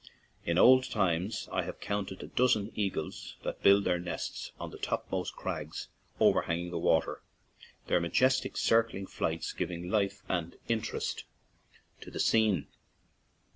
In old times I have counted a dozen eagles that built their nests on the topmost crags over hanging the water, their majestic, circling flights giving life and interest to the scene.